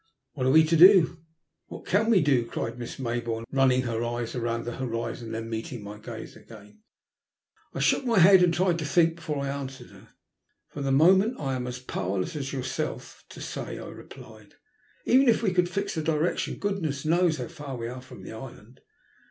"What are we to do? What can we do?" cried Miss Mayboume, running her eyes round the horizon and then meeting my gaze again. I shook my head and tried to think before I answered her. For the moment I am as powerless as yourself to A BITTER DISAPPOINTMENT. 189 Bay," I replied. " Even if we could fix the direction, goodness only knows how far we are from the island.